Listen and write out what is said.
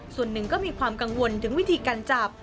ส่วนหนึ่งก็มีความกังวลถึงวิธีการจับ